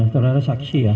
terhadap saksi ya